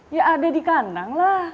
ya ada di kandang lah